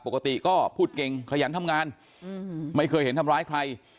ปกติก็พูดเก่งขยันทำงานไม่เคยเห็นทำร้ายใคร